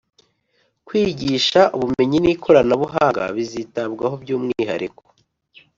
kwigisha ubumenyi n'ikoranabuhanga bizitabwaho by'umwihariko.